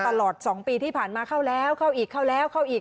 ตลอด๒ปีที่ผ่านมาเข้าแล้วเข้าอีกเข้าแล้วเข้าอีก